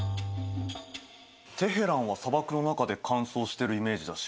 テヘランは砂漠の中で乾燥してるイメージだし